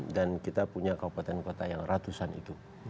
dan kita punya kabupaten kota yang ratusan itu